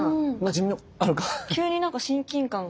急になんか親近感が。